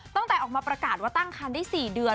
ตั้งแต่ออกมาประกาศว่าตั้งคันได้๔เดือน